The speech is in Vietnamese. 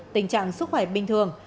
tình trạng sức khỏe bình thường